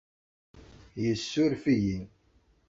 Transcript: Yessuref-iyi.